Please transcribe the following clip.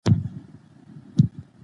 د ماشومانو راتلونکې باید روښانه وي.